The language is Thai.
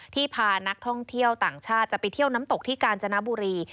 พานักท่องเที่ยวต่างชาติจะไปเที่ยวน้ำตกที่กาญจนบุรี